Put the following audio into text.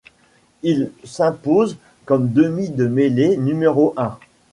Il s'impose comme demi de mêlée numéro un.